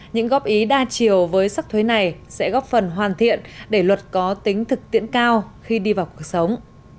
những góp ý đa chiều với sắc thuế này sẽ góp phần hoàn thiện để luật có tính thực tiễn cao khi đi vào cuộc sống